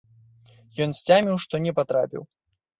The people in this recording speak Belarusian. Ён сцяміў, што не патрапіў.